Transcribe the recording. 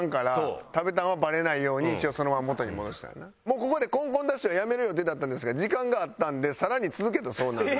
もうここでコンコンダッシュはやめる予定だったんですが時間があったんで更に続けたそうなんですね。